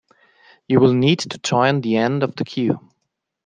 You will need to join the end of the queue.